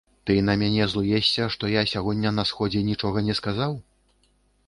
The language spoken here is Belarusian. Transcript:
Ты на мяне злуешся, што я сягоння на сходзе нічога не сказаў?